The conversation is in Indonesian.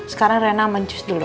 sekarang rena mancus dulu